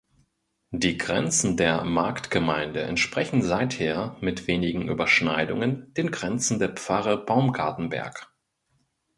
Die Grenzen der Marktgemeinde entsprechen seither mit wenigen Überschneidungen den Grenzen der Pfarre Baumgartenberg.